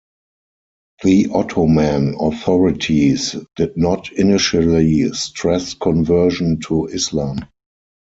The Ottoman authorities did not initially stress conversion to Islam.